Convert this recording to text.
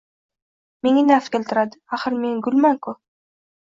menga naf keltiradi. Axir, men — gulman-ku.